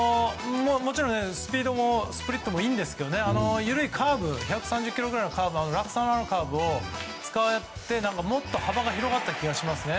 もちろんスピードもスプリットもいいんですけど１３０キロくらいの落差のあるカーブを使ってもっと幅が広がった気がするんですね。